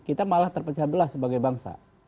kita malah terpecah belah sebagai bangsa